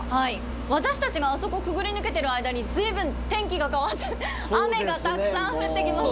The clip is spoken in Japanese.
私たちがあそこくぐり抜けてる間に随分天気が変わって雨がたくさん降ってきましたね。